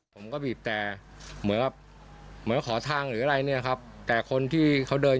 สุดท้ายผมก็เลยขึ้นมโหนแล้วเรียกผมก็เลยล้มจากรถ